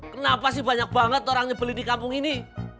kenapa sih banyak banget orangnya beli di kampung ini